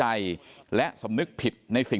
ตลอดทั้งคืนตลอดทั้งคืน